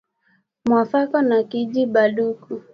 Mwafako na kiji ba nduku